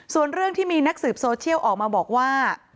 ส่วนเรื่องที่มีนักสืบโซเชียลออกมาบอกว่า